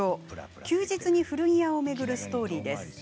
休日に古着屋を巡るストーリーです。